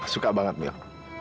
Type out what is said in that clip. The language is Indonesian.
suka banget mila